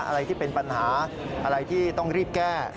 อะไรที่เป็นปัญหาอะไรที่ต้องรีบแก้